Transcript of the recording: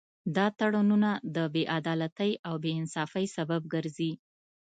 دا تړونونه د بې عدالتۍ او بې انصافۍ سبب ګرځي